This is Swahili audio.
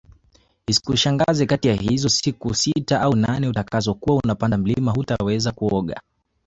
Isikushangaze kati ya hizo siku sita au nane utakazo kuwa unapanda mlima hutaweza kuoga